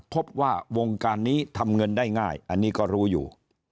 พบว่าวงการนี้ทำเงินได้ง่ายอันนี้ก็รู้อยู่